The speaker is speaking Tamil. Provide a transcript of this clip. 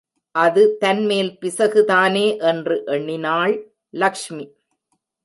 அது தன்மேல் பிசகுதானே என்று எண்ணினாள் லக்ஷ்மி.